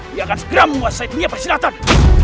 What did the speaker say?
dia akan segera menguasai dunia persilatan